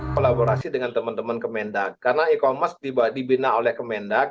kolaborasi dengan teman teman kemendak karena e commerce dibina oleh kemendak